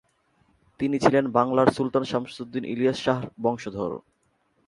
তিনি ছিলেন বাংলার সুলতান শামসুদ্দীন ইলিয়াস শাহর বংশধর।